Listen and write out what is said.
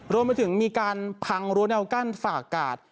รวมไปถึงมีการพังรั้วแนวกั้นฝากกาด